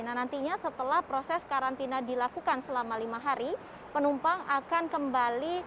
nah nantinya setelah proses karantina dilakukan selama lima hari penumpang akan kembali